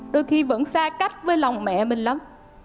đôi khi vẫn xa cách với lòng mẹ mình lắm